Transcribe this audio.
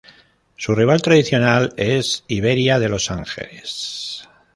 Su rival tradicional es Iberia de Los Ángeles.